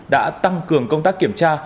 đã tăng cường công tác kiểm tra